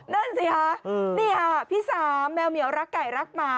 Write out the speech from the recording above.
นั่นสิคะนี่ค่ะพี่สามแมวเหมียวรักไก่รักหมา